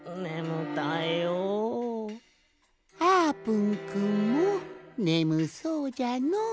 あーぷんくんもねむそうじゃのう。